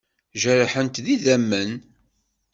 Jerḥent d idammen.